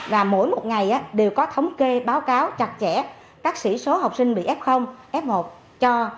và mỗi một ngày đều có thống kê báo cáo chặt chẽ bác sĩ số học sinh bị f f một cho